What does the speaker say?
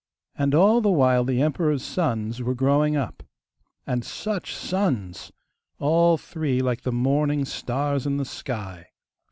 And all the while the emperor's sons were growing up. And such sons! All three like the morning stars in the sky!